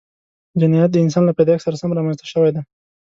جنایت د انسان له پیدایښت سره سم رامنځته شوی دی